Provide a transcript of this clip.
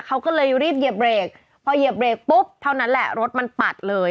เขาก็เลยรีบเหยียบเบรกพอเหยียบเบรกปุ๊บเท่านั้นแหละรถมันปัดเลย